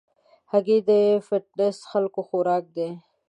هګۍ د فټنس خلکو خوراک دی.